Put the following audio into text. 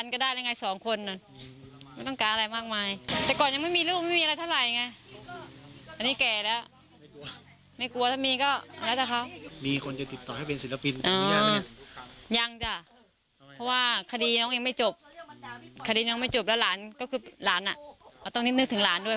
ก็คือหลานน่ะเราต้องนิดนึกถึงหลานด้วย